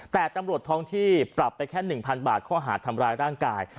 แต่ตำรวจท้องที่ปรับไปแค่๑๐๐บาทข้อหาดทำร้ายร่างกาย